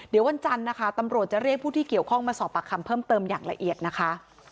เดี๋ยววันจันทร์นะคะตำรวจจะเรียกผู้ที่เกี่ยวข้องมาสอบปากคำเพิ่มเติมอย่างละเอียดนะคะ